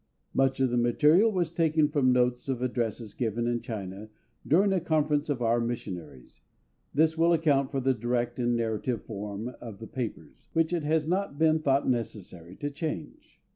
Much of the material was taken from notes of addresses given in China during a conference of our missionaries; this will account for the direct and narrative form of the papers, which it has not been thought necessary to change.